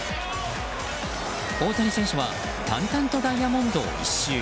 大谷選手は淡々とダイヤモンドを１周。